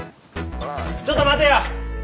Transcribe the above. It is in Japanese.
ちょっと待てよ！